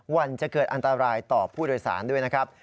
วันจะเกิดอันตรายต่อผู้โดยสารด้วยนะครับ